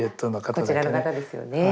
こちらの方ですよね。